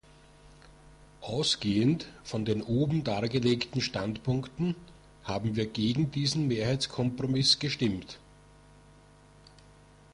Ausgehend von den oben dargelegten Standpunkten haben wir gegen diesen Mehrheitskompromiss gestimmt.